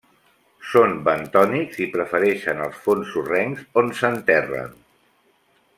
Són bentònics i prefereixen els fons sorrencs, on s'enterren.